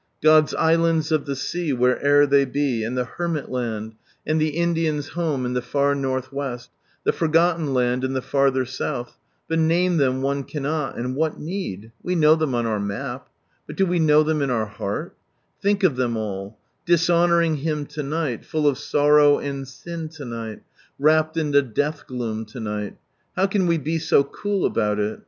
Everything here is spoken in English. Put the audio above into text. God's islands of the sea, where'er they be, and the Hermit Land, and the Indian's home in the far North West — the forgotten land in the farther South— but name them one cannot, and what need ? We know them on our map. But do we know them in our heart f Think of them all : dishonouring Him to night, full of sorrow and sin to night : wrapped in the death gloom to night How can we be so cool about it?